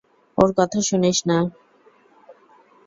ওর কথা শুনিস না।